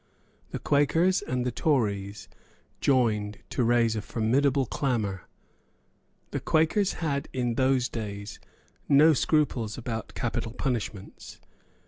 The Quakers and the Tories joined to raise a formidable clamour. The Quakers had, in those days, no scruples about capital punishments.